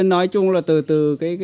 nói chung là từ từ